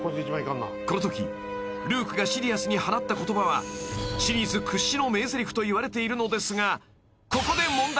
［このときルークがシディアスに放った言葉はシリーズ屈指の名ゼリフといわれているのですがここで問題］